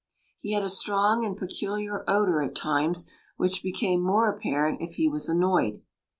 He had a strong and peculiar odour at times, which became more apparent if he was annoyed.